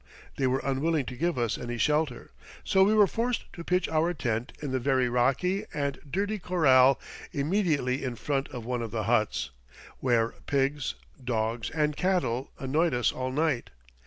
They were unwilling to give us any shelter, so we were forced to pitch our tent in the very rocky and dirty corral immediately in front of one of the huts, where pigs, dogs, and cattle annoyed us all night.